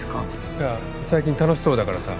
いや最近楽しそうだからさ。